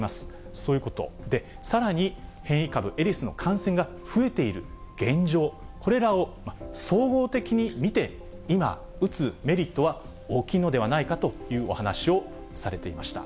そういうことで、さらに変異株エリスの感染が増えている現状、これらを総合的に見て、今、打つメリットは大きいのではないかというお話をされていました。